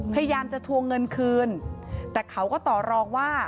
พยายามจะทวงเงินคืนแต่เขาก็ต่อรองว่า